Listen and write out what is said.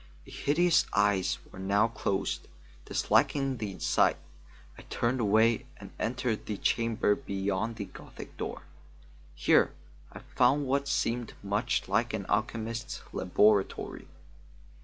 The hideous eyes were now closed. Disliking the sight, I turned away and entered the chamber beyond the Gothic door. Here I found what seemed much like an alchemist's laboratory.